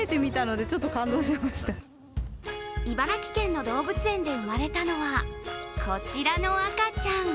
茨城県の動物園で生まれたのはこちらの赤ちゃん。